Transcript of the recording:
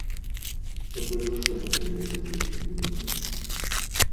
Что произошло, пока я бегал за этими билетами?